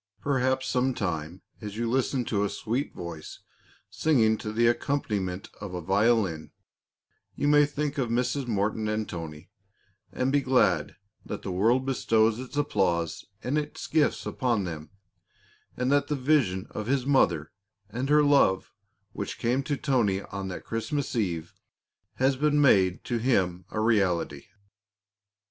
Perhaps some time as you listen to a sweet voice singing to the accompaniment of a violin you may think of Mrs. Morton and Toni, and be glad that the world bestows its applause and its gifts upon them, and that the vision of his mother and her love which came to Toni on that Christmas eve has been made to him a reality.